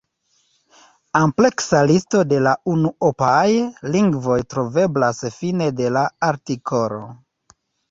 Ampleksa listo de la unuopaj lingvoj troveblas fine de la artikolo.